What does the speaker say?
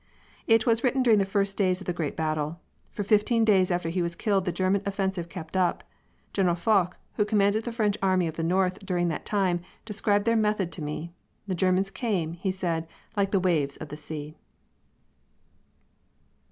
It was written during the first days of the great battle. For fifteen days after he was killed the German offensive kept up. General Foch, who commanded the French Army of the North during that time, described their method to me. "The Germans came," he said, "like the waves of the sea!"